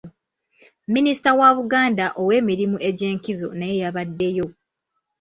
Minisita wa Buganda ow'emirimu egy'enkizo naye yabaddeyo.